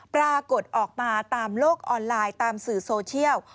ปรากฏออกมาตามโลกออนไลน์ตามสื่อโซเชียล